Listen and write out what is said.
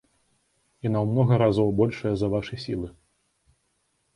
Яна ў многа разоў большая за вашы сілы.